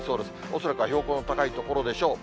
恐らくは標高の高い所でしょう。